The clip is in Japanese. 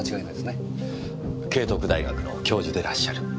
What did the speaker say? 慶徳大学の教授でらっしゃる。